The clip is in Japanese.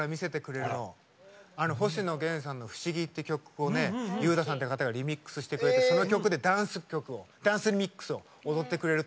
あの星野源さんの「不思議」って曲をねＵＴＡさんって方がリミックスしてくれてその曲でダンス曲をダンスミックスを踊ってくれるということで。